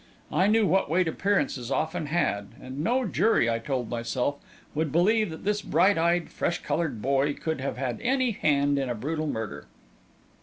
I knew what weight appearances often had; and no jury, I told myself, would believe that this bright eyed, fresh coloured boy could have had any hand in a brutal murder.